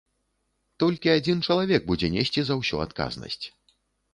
Толькі адзін чалавек будзе несці за ўсё адказнасць.